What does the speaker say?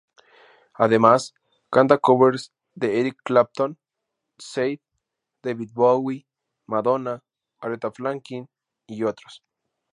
Además, canta covers de Eric Clapton, Sade, David Bowie, Madonna, Aretha Franklin y otros.